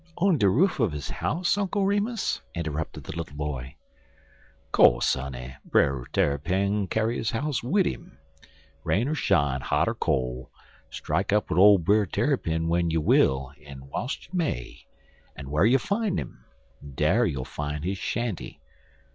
"On the roof of his house, Uncle Remus?" interrupted the little boy. "Co'se honey, Brer Tarrypin kyar his house wid 'im. Rain er shine, hot er col', strike up wid ole Brer Tarrypin w'en you will en w'ilst you may, en whar you fine 'im, dar you'll fine his shanty.